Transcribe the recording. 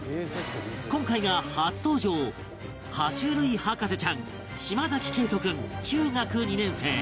今回が初登場爬虫類博士ちゃん島圭斗君中学２年生